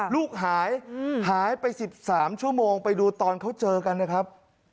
ลูกหายหายไป๑๓ชั่วโมงไปดูตอนเขาเจอกันนะครับ